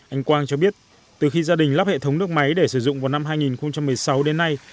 anh quang cho biết từ khi gia đình lắp hệ thống nước máy để sử dụng vào năm hai nghìn một mươi sáu đến nay